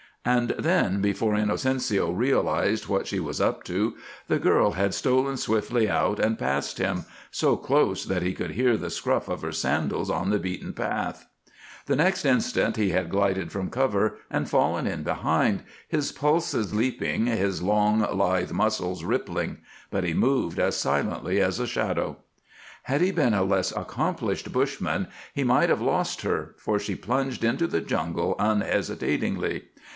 And then, before Inocencio realized what she was up to, the girl had stolen swiftly out and past him, so close that he could hear the scuff of her sandals on the beaten path. The next instant he had glided from cover and fallen in behind, his pulses leaping, his long, lithe muscles rippling; but he moved as silently as a shadow. Had he been a less accomplished bushman he might have lost her, for she plunged into the jungle unhesitatingly.